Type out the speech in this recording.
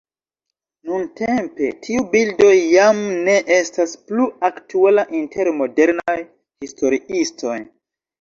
Nuntempe tiu bildo jam ne estas plu aktuala inter modernaj historiistoj.